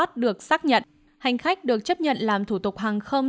trong giai đoạn này hãng hàng không được xác nhận hành khách được chấp nhận làm thủ tục hàng không